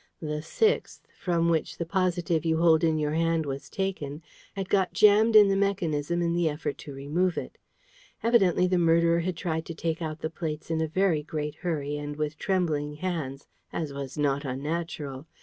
The sixth, from which the positive you hold in your hand was taken, had got jammed in the mechanism in the effort to remove it. Evidently the murderer had tried to take out the plates in a very great hurry and with trembling hands, as was not unnatural.